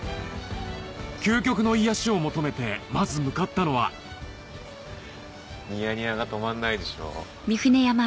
究極の癒しを求めてまず向かったのはニヤニヤが止まんないでしょ。